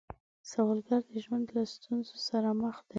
سوالګر د ژوند له ستونزو سره مخ دی